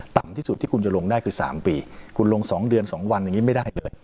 ต่ำที่สุดที่คุณจะลงได้คือ๓ปีคุณลง๒เดือน๒วันอย่างนี้ไม่ได้เลย